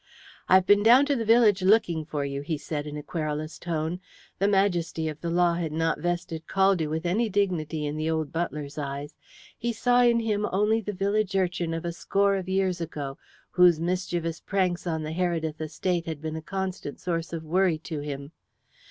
"I have been down to the village looking for you," he said, in a querulous tone. The majesty of the law had not vested Caldew with any dignity in the old butler's eyes. He saw in him only the village urchin of a score of years ago, whose mischievous pranks on the Heredith estate had been a constant source of worry to him.